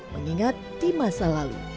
mengingat di masa lalu